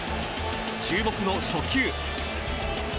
注目の初球。